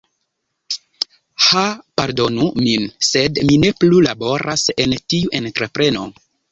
Ha pardonu min, sed mi ne plu laboras en tiu entrepreno.